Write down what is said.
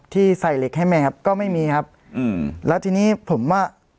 ที่ใส่เหล็กให้แม่ครับก็ไม่มีครับอืมแล้วทีนี้ผมว่า